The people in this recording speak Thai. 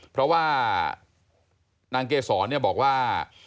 เพราะว่านางเกศรเนี่ยบอกว่า